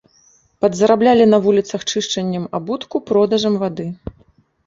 Падзараблялі на вуліцах чышчаннем абутку, продажам вады.